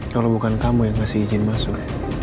kalau bukan kamu yang kasih izin masuk